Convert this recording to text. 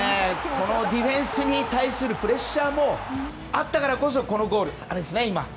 このディフェンスに対するプレッシャーがあったからこそのこのゴール。